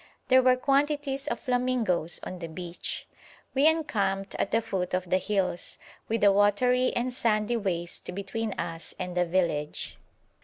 There were quantities of flamingoes on the beach. We encamped at the foot of the hills, with a watery and sandy waste between us and the village.